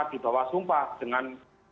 dibawa sumpah dengan